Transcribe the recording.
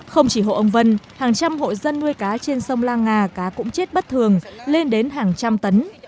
không chỉ hộ ông vân hàng trăm hộ dân nuôi cá trên sông la nga cá cũng chết bất thường lên đến hàng trăm tấn